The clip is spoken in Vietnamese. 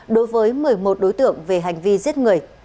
đối với một mươi một đối tượng về hành vi giết người